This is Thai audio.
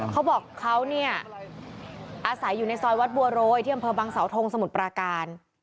เขาบอกเขาเนี่ยอาศัยอยู่ในซอยวัดบัวโรยที่อำเภอบังเสาทงสมุทรปราการ